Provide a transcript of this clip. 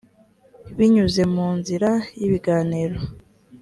binyuze mu nzira y ibiganiro